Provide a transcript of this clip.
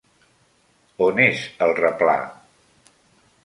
On és el replà?